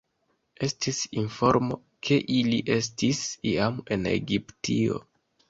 Estis informo, ke ili estis iam en Egiptio.